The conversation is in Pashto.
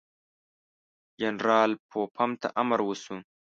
جنرال پوفم ته امر وشو.